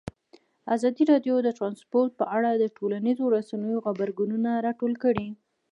ازادي راډیو د ترانسپورټ په اړه د ټولنیزو رسنیو غبرګونونه راټول کړي.